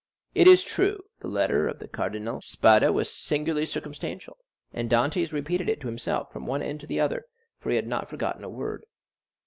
It is true, the letter of the Cardinal Spada was singularly circumstantial, and Dantès repeated it to himself, from one end to the other, for he had not forgotten a word.